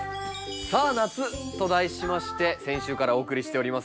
「さあ夏！」と題しまして先週からお送りしております